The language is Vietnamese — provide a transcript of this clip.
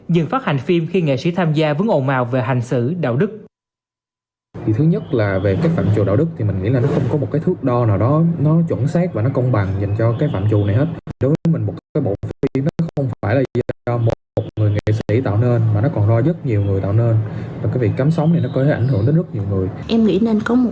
dừng phát hành phim khi nghệ sĩ tham gia vững ồn ào về hành xử đạo đức